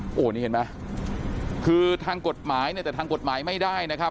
โอ้โหนี่เห็นไหมคือทางกฎหมายเนี่ยแต่ทางกฎหมายไม่ได้นะครับ